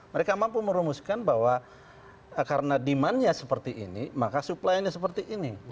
mereka mampu merumuskan bahwa karena demandnya seperti ini maka supply nya seperti ini